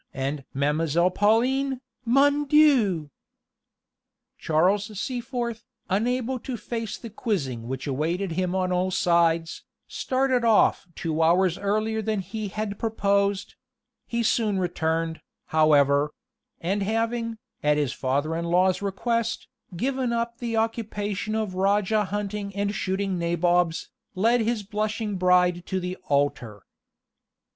and Ma'mselle Pauline, "Mon Dieu!" Charles Seaforth, unable to face the quizzing which awaited him on all sides, started off two hours earlier than he had proposed: he soon returned, however; and having, at his father in law's request, given up the occupation of Rajah hunting and shooting Nabobs, led his blushing bride to the altar.